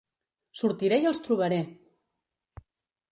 Sortiré i els trobaré!